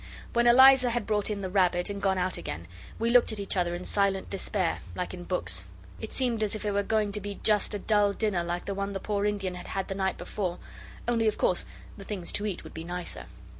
When Eliza had brought in the rabbit and gone out again, we looked at each other in silent despair, like in books. It seemed as if it were going to be just a dull dinner like the one the poor Indian had had the night before; only, of course, the things to eat would be nicer.